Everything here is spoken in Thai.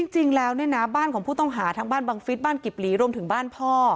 จริงแล้วเนี่ยนะบ้านของผู้ต้องหาทั้งบ้านบังฟิศบ้านกิบหลีรวมถึงบ้านพ่อ